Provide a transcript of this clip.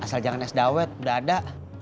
asal jangan es dawet udah ada